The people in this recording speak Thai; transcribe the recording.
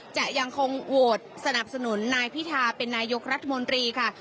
จะยังคงโหวตสนับสนุนนายพิธาเป็นนายกรัฐมนตรีค่ะ